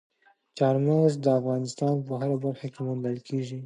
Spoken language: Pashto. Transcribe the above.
چار مغز د افغانستان په هره برخه کې موندل کېږي.